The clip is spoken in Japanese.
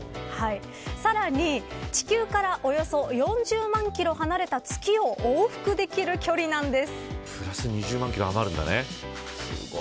さらに、地球からおよそ４０万キロ離れた月を往復できる距離なんです。